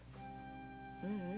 ううん。